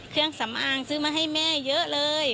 เครื่องสำอางซื้อมาให้แม่เยอะเลย